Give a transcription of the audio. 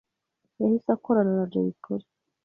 yahise akorana na Jay Polly